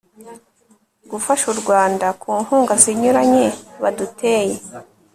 gufasha u rwanda ku nkunga zinyuranye baduteye